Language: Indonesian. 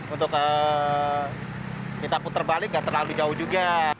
untuk kita putar balik nggak terlalu jauh juga